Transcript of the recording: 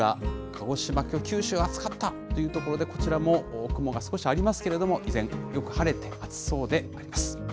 鹿児島、きょう、九州暑かったということで、こちらも雲が少しありますけれども、依然、よく晴れているそうであります。